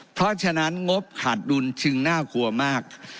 เพราะฉะนั้นงบขาดดุลจึงน่ากลัวมาก